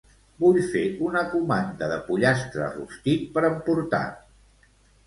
Vull fer una comanda de pollastre rostit per emportar.